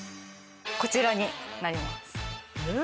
こちらになります。